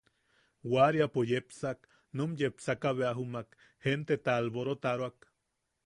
Waariapo yepsak, num yepsaka bea jumak jenteta alborotaroak.